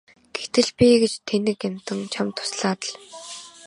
Гэтэл би гэж тэнэг амьтан чамд туслаад л!